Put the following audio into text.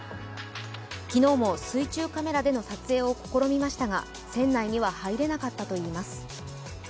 昨日も水中カメラでの撮影を試みましたが船内には入れなかったといいます。